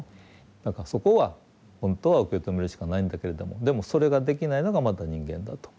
だからそこは本当は受け止めるしかないんだけれどもでもそれができないのがまた人間だと。